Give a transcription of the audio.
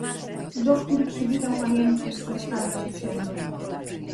"Doktór przywitał panienki i przedstawił się księdzu."